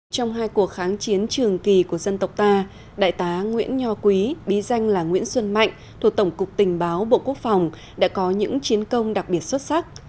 trong hai cuộc kháng chiến trường kỳ của dân tộc ta đại tá nguyễn nho quý bí danh là nguyễn xuân mạnh thuộc tổng cục tình báo bộ quốc phòng đã có những chiến công đặc biệt xuất sắc